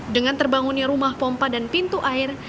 dengan terbangunnya rumah pompa dan pintu air